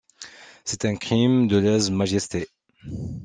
C’est un crime de lèse-majesté.